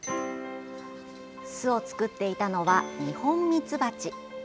巣を作っていたのはニホンミツバチ。